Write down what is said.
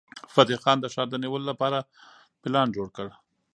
فتح خان د ښار د نیولو لپاره پلان جوړ کړ.